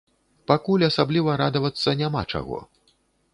Пакуль асабліва радавацца няма чаго.